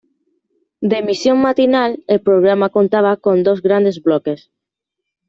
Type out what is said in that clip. De emisión matinal, el programa contaba con dos grandes bloques.